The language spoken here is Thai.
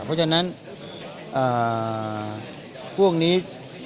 เพราะฉะนั้นพวกนี้